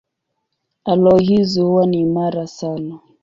Aloi hizi huwa ni imara sana.